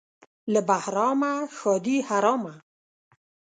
له بهرامه ښادي حرامه.